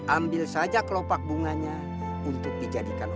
ambil saja kelopak bunganya untuk dijadikan